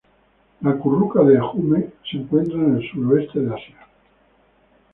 La curruca de Hume se encuentra en el suroeste de Asia.